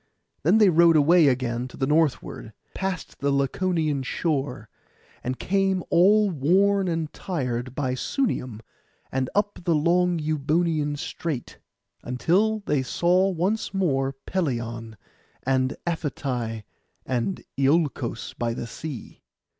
Then they rode away again to the northward, past the Laconian shore, and came all worn and tired by Sunium, and up the long Euboean Strait, until they saw once more Pelion, and Aphetai, and Iolcos by the sea.